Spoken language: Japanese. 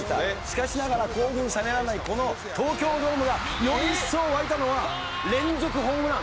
しかしながら興奮冷めやらないこの東京ドームがより一層沸いたのは連続ホームラン。